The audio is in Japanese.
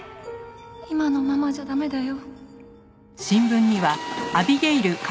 今のままじゃ駄目だよ。